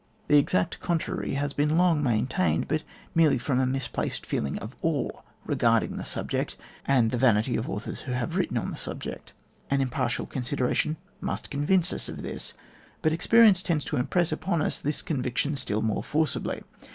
The exact contrary has been long maintained, but merely from a misplaced feeling of awe regarding the subject, and from the vanity of authors who have written on the subject. An impartial consideration must convince us of this : but experience tends to impress upon us this conviction still more forcibly.